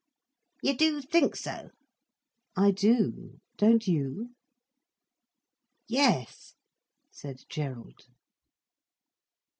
"You do think so?" "I do. Don't you?" "Yes," said Gerald.